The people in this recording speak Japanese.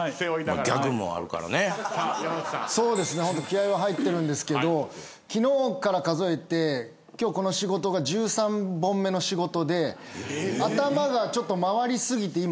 気合入ってるんですけど昨日から数えて今日この仕事が１３本目の仕事で頭がちょっと回り過ぎて今止まりかけてます。